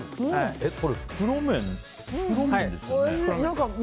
これ、袋麺ですよね？